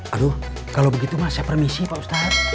aduh kalau begitu mas saya permisi pak ustadz